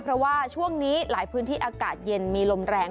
เพราะว่าช่วงนี้หลายพื้นที่อากาศเย็นมีลมแรง